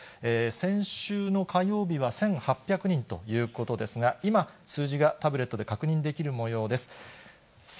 先週の火曜日は１８００人ということですが、今、数字がタブレットで確認できるもようです。